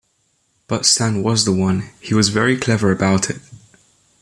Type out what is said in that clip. But Stan was the one...He was very clever about it.